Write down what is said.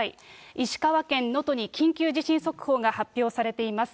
石川県能登に緊急地震速報が発表されています。